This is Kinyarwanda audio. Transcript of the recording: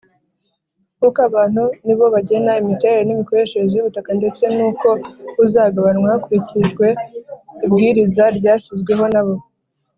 Nk’uko abantu nibo bagena imiterere n’imikoreshereze y’ubutaka ndetse nuko buzagabanwa hakirikijwe ibwiriza ryashyizweho nabo.